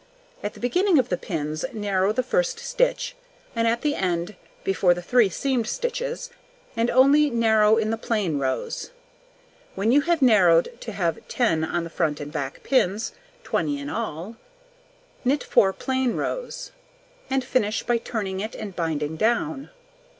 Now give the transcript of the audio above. At the beginning of the pins, narrow the 1st stitch, and at the end before the 3 seamed stitches, and only narrow in the plain rows. When you have narrowed to have 10 on the front and back pins, 20 in all, knit 4 plain rows, and finish by turning it and binding down.